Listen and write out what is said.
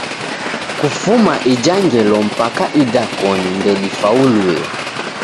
Kufuma ija ngelo mpaka idakoni ndedifauluye.